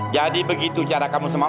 jadi begitu cara kamu sama om ya